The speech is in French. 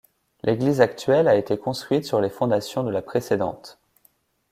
L'église actuelle a été construite sur les fondations de la précédente.